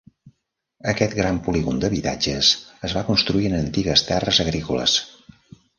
Aquest "gran polígon d'habitatges" es va construir en antigues terres agrícoles.